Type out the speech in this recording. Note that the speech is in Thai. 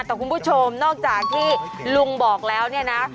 แต่คุณผู้ชมนอกจากที่ลุงบอกแล้วเนี่ยนะ